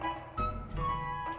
terima kasih pak